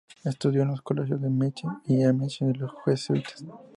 Estudió en los colegios de Metz y Amiens de los jesuitas.